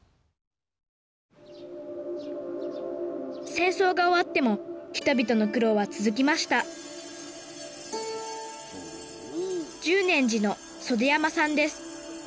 戦争が終わっても人々の苦労は続きました十念寺の袖山さんです。